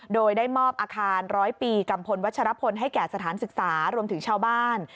โดยได้มอบอาคารร้อยปีกัมพลวัชรพลให้แก่สถานศึกษารวมถึงชาวบ้าน